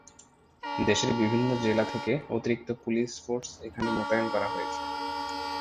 দেশের বিভিন্ন জেলা থেকে অতিরিক্ত পুলিশ ফোর্স এখানে মোতায়েন করা হয়েছে।